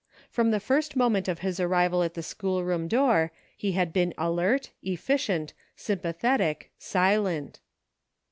From the first moment of his arrival at the schoolroom door he had been alert, efficient, sympathetic, silent.